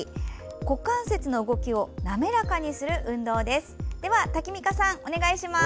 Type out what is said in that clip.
股関節の動きを滑らかにする運動です。